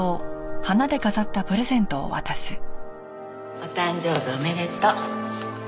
お誕生日おめでとう。